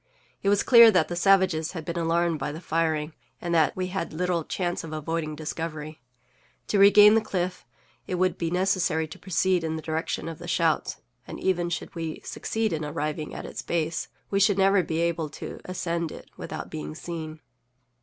It was clear that the savages had been alarmed by the firing, and that we had little chance of avoiding discovery. To regain the cliff, it would be necessary to proceed in the direction of the shouts, and even should we succeed in arriving at its base, we should never be able to ascend it without being seen.